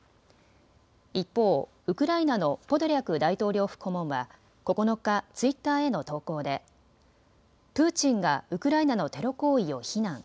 一方、ウクライナのポドリャク大統領府顧問は９日、ツイッターへの投稿でプーチンがウクライナのテロ行為を非難。